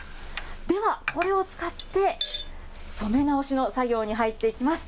では、これを使って、染め直しの作業に入っていきます。